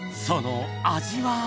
その味は？